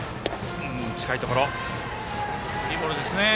いいボールでしたね。